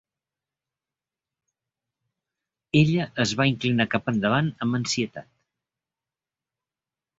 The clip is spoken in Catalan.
Ella es va inclinar cap endavant amb ansietat.